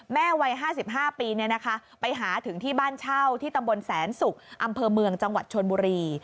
วัย๕๕ปีไปหาถึงที่บ้านเช่าที่ตำบลแสนศุกร์อำเภอเมืองจังหวัดชนบุรี